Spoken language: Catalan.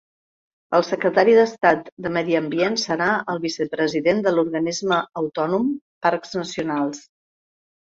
El Secretari d'Estat de Medi ambient serà el vicepresident de l'Organisme Autònom Parcs Nacionals.